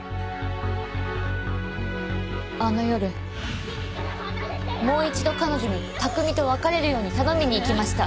あの夜もう一度彼女に拓海と別れるように頼みに行きました。